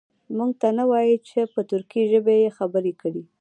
موږ ته نه وایي چې په ترکي ژبه یې خبرې کړي.